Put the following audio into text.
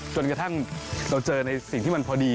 จนกระทั่งเราเจอในสิ่งที่มันพอดี